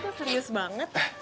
kamu serius banget